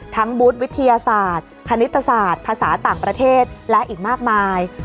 บูธวิทยาศาสตร์คณิตศาสตร์ภาษาต่างประเทศและอีกมากมาย